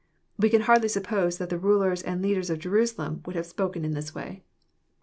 We can hardly suppose that the rulers and lerders of~^Jeiusalem would have spoken in this way. JOHN, CHAP.